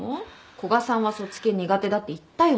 古賀さんはそっち系苦手だって言ったよね。